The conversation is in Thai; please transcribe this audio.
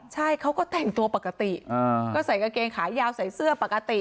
ใช่เขาก็แต่งตัวปกติก็ใส่กางเกงขายาวใส่เสื้อปกติ